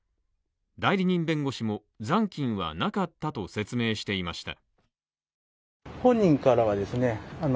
代理人弁護士も、残金はなかったと説明していました。